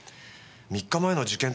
３日前の事件